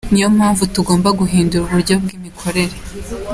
Niyo mpamvu tugomba guhindura uburyo bw’imikorere.”